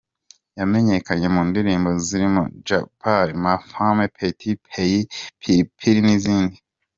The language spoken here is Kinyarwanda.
Yamenyekanye mu ndirimbo zirimo ‘Je pars’, ‘Ma femme’, ‘Petit Pays’, ‘PiliPili’ n’izindi.